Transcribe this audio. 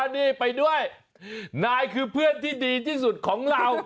นี่ไปด้วยนายคือเพื่อนที่ดีที่สุดของเรา